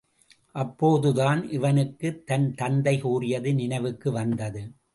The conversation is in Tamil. அப்போதுதான், இவனுக்குத் தன் தந்தை கூறியது நினைவுக்கு வந்தது.